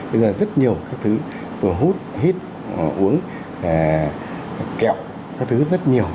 bây giờ rất nhiều các thứ vừa hút hít uống kẹo các thứ rất nhiều